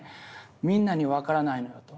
みんなには分からないのよと。